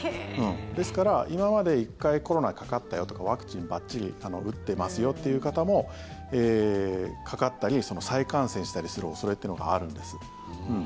ですから、今まで１回コロナにかかったよとかワクチンばっちり打ってますよっていう方もかかったり、再感染したりする恐れっていうのがあるんです。